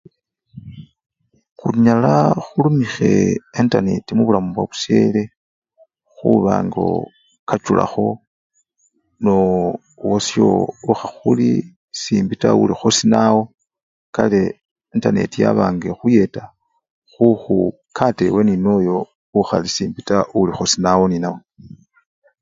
Khunyala khurumikhe entaneti mubulamu bwabusyele khuba nga okachulakho nowasyo okhakhuli simbi taa olikho sinawo kale entaneti yabanga ekhuyeta khukhukata ewe nenoyo okhakhuli simbi taa olikho sinawo nenawe.